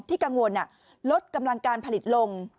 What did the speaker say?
กังวลลดกำลังการผลิตลง